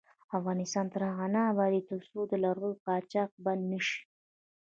افغانستان تر هغو نه ابادیږي، ترڅو د لرګیو قاچاق بند نشي.